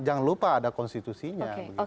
jangan lupa ada konstitusinya